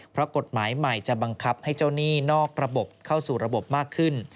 เพราะกฎหมายใหม่จะบังคับให้เจ้าหนี้นอกระบบเข้าสู่ระบบมากขึ้น